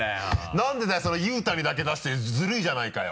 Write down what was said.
何でだよ佑太にだけ出してずるいじゃないかよ！